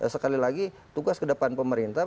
sekali lagi tugas ke depan pemerintah